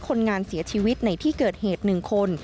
คนงานเสียชีวิตในที่เกิดเหตุ๑คน